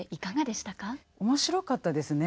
面白かったですね。